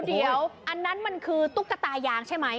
เดี๋ยวอันนั้นมันคือตุ๊กตายางใช่ไหม